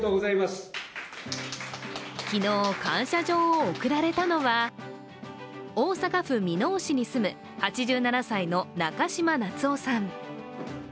昨日、感謝状を贈られたのは大阪府箕面市に住む８７歳の中嶋夏男さん。